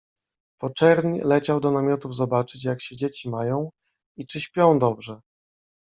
Po czerń leciał do namiotów zobaczyć, jak się dzieci mają i czy śpią dobrze.